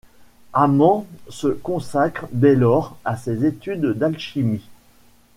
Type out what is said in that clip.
Amand se consacre dès lors à ses études d'alchimie.